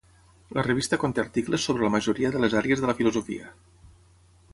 La revista conté articles sobre la majoria de les àrees de la filosofia.